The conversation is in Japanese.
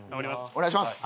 お願いします。